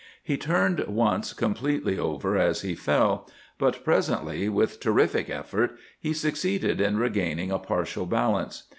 He turned once completely over as he fell. But presently, with terrific effort, he succeeded in regaining a partial balance.